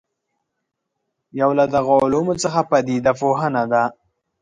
یو له دغو علومو څخه پدیده پوهنه ده.